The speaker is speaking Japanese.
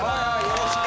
よろしく。